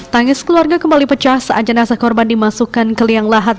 tangis keluarga kembali pecah saat jenazah korban dimasukkan ke liang lahat